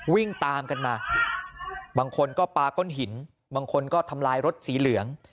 วิ่งตามกันมาบางคนก็ปลาก้นหินบางคนก็ทำลายรถสีเหลือง